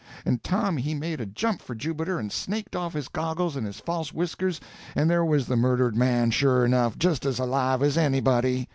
And Tom he made a jump for Jubiter and snaked off his goggles and his false whiskers, and there was the murdered man, sure enough, just as alive as anybody!